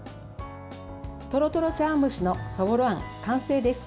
トロトロ茶碗蒸しのそぼろあん完成です。